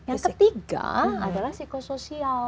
yang ketiga adalah psikososial